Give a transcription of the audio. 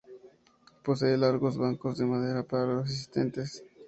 Posee largos bancos de madera para los asistentes.